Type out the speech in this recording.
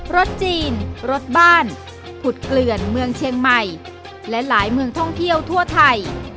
รถจีนรถบ้านผุดเกลื่อนเมืองเชียงใหม่และหลายเมืองท่องเที่ยวทั่วไทย